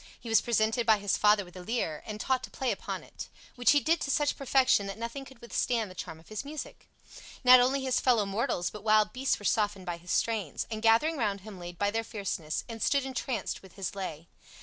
He was presented by his father with a Lyre and taught to play upon it, which he did to such perfection that nothing could withstand the charm of his music. Not only his fellow mortals but wild beasts were softened by his strains, and gathering round him laid by their fierceness, and stood entranced with his lay.